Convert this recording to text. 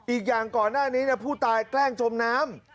อีกอย่างก่อนหน้านี้ผู้ตายแกล้งจมน้ำ